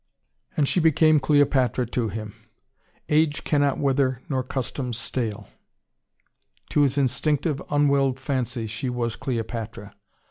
And she became Cleopatra to him. "Age cannot wither, nor custom stale " To his instinctive, unwilled fancy, she was Cleopatra.